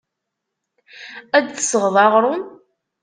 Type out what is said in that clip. Ad d-tesɣeḍ aɣrum.